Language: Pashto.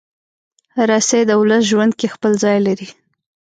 رسۍ د ولس ژوند کې خپل ځای لري.